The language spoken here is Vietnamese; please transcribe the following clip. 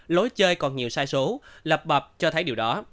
lối chơi còn nhiều sai số lập bập cho thấy điều đó